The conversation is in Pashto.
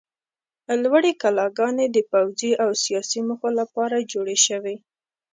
لوړې کلاګانې د پوځي او سیاسي موخو لپاره جوړې شوې.